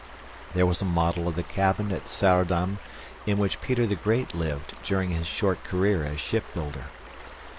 There was a model of the cabin at Saardam in which Peter the Great lived during his short career as ship builder.